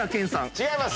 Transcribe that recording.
違います。